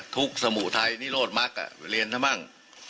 ทุกข์สมุทัยนี่โรธมักไปเรียนสักบ้าง